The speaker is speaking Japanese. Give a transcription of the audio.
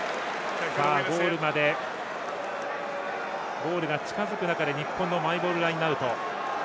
ゴールが近づく中で日本のマイボールラインアウト。